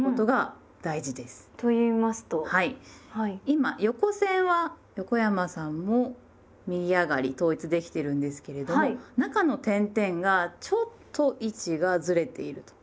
今横線は横山さんも右上がり統一できてるんですけれども中の点々がちょっと位置がずれていると。